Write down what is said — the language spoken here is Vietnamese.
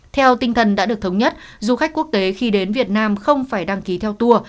theo tinh thần đã được thống nhất du khách quốc tế khi đến việt nam không phải đăng ký theo tour